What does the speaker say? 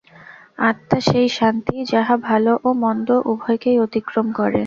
আত্মা সেই শান্তি, যাহা ভাল ও মন্দ উভয়কেই অতিক্রম করে।